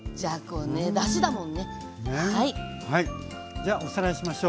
じゃあおさらいしましょう。